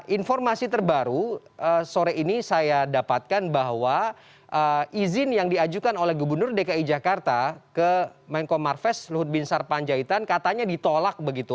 informasi terbaru sore ini saya dapatkan bahwa izin yang diajukan oleh gubernur dki jakarta ke menko marves luhut bin sarpanjaitan katanya ditolak begitu